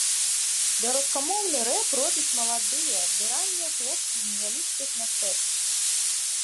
Беларускамоўны рэп робяць маладыя ды раннія хлопцы з невялічкіх мястэчак.